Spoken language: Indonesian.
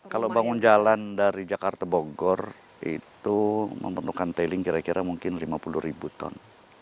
kalau bangun jalan dari jakarta bogor itu memerlukan tailing kira kira mungkin lima puluh ribu ton